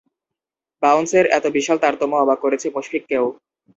বাউন্সের এত বিশাল তারতম্য অবাক করেছে মুশফিককেও।